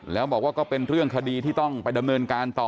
แล้วบอกว่าก็เป็นเรื่องคดีที่ต้องไปดำเนินการต่อ